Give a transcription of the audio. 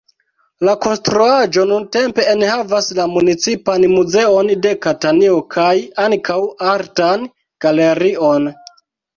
La konstruaĵo nuntempe enhavas la municipan muzeon de Katanio, kaj ankaŭ artan galerion.